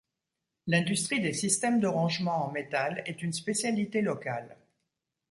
L’industrie des systèmes de rangement en métal est une spécialité locale.